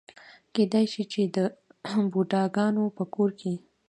کېدای شي د بوډاګانو په کور کې.